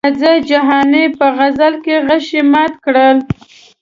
راځه جهاني په غزل کې غشي مات کړه.